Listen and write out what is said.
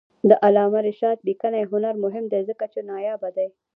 د علامه رشاد لیکنی هنر مهم دی ځکه چې نایابه دی.